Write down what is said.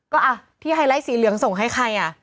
ก็อ่ะที่ไฮไลท์สีเหลืองส่งให้ใครอ่ะ